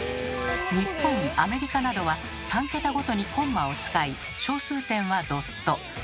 日本アメリカなどは３桁ごとにコンマを使い小数点はドット。